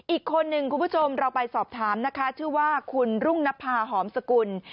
อีกคนหนึ่งคุณผู้ชมเราไปสอบถามนะคะชื่อว่าคุณรุ่งนภาหอมสกุล